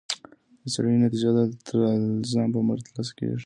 د څیړنې نتیجه د الالتزام په مټ ترلاسه کیږي.